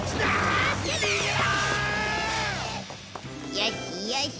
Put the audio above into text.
よしよし。